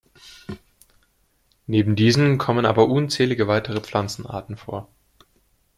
Neben diesen kommen aber unzählige weitere Pflanzenarten vor.